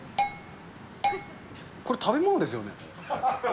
これ、食べ物ですよね？